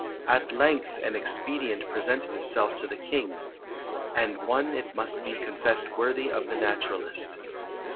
At length an expedient presented itself to the king; and one it must be confessed worthy of the naturalist.